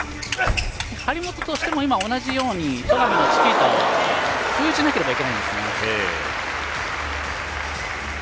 張本としても同じように戸上のチキータを封じなければいけないんですね。